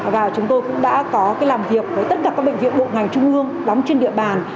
và chúng tôi cũng đã có làm việc với tất cả các bệnh viện bộ ngành trung ương đóng trên địa bàn